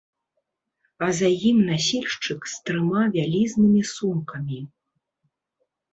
А за ім насільшчык з трыма вялізнымі сумкамі.